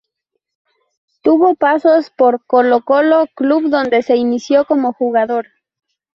Tuvo pasos por Colo-Colo, club donde se inició como jugador.